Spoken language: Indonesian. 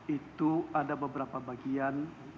itu ada beberapa bagian